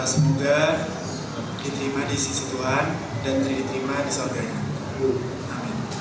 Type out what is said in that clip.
semoga diterima di sisi tuhan dan diterima di saudara